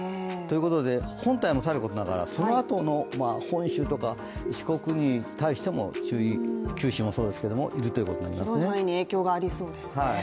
なので、本体もさることながらそのあとの、本州とか四国に対しても九州もそうですが注意広い範囲に影響がありそうですね。